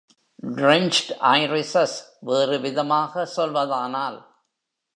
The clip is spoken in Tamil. Drenched irises, வேறு விதமாக சொல்வதானால்.